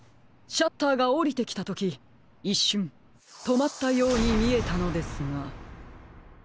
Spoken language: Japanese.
シャッターがおりてきたときいっしゅんとまったようにみえたのですが。